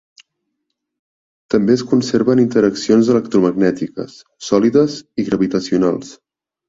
També es conserva en interaccions electromagnètiques, sòlides i gravitacionals.